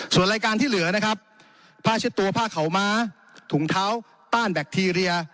ส่วนรายการที่เหลือนะครับผ้าเช็ดตัวผ้าขาวม้าถุงเท้าต้านแบคทีเรีย